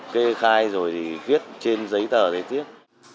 kê khai rồi thì viết trên giấy tờ thì tiếc